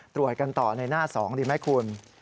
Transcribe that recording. ตรวจกันต่อในหน้า๒ดีไหมคุณ